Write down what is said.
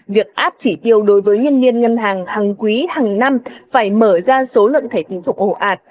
việc áp chỉ tiêu đối với nhân viên ngân hàng hàng quý hàng năm phải mở ra số lượng thẻ tín dụng ồ ạt